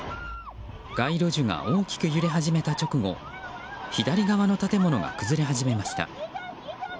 街路樹が大きく揺れ始めた直後左側の建物が崩れ始めました。